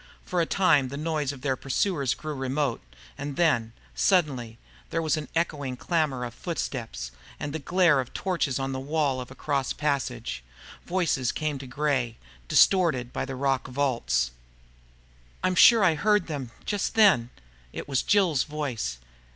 For a time the noise of their pursuers grew remote. And then, suddenly, there was an echoing clamor of footsteps, and the glare of torches on the wall of a cross passage ahead. Voices came to Gray, distorted by the rock vaults. "I'm sure I heard them, just then." It was Jill's voice.